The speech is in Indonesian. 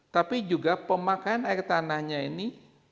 tapi juga pemakaian air tanahnya ini